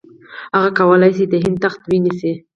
هغه کولای شي د هند تخت ونیسي.